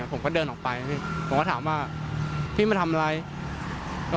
ผมก็เดินออกไปพี่ผมก็ถามว่าพี่มาทำอะไร